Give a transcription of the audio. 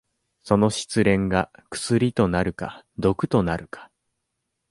その失恋が薬となるか毒となるか。